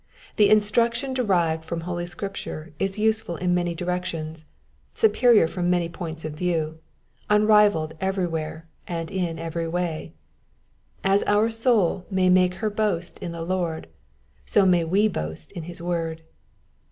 The instruction derived from Holy Scripture is useful in many directions, superior from many points of view, unrivalled everywhere and in every way. As our soul may make her boast in the Lord, so may we boast in his word.